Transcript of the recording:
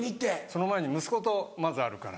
その前に息子とまずあるから。